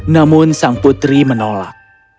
namun sang putri menolak